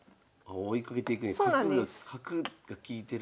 追いかけていくんや。